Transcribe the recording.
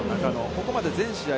ここまで全試合